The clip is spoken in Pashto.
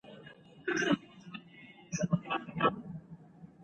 د افغانستان سیندونه زموږ د مادي او معنوي ثروت د لېږد وسیله ده.